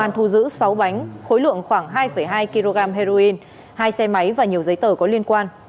thu giữ sáu bánh khối lượng khoảng hai hai kg heroin hai xe máy và nhiều giấy tờ có liên quan